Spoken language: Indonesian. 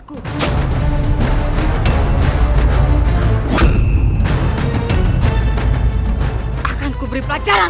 jangan merindukan saya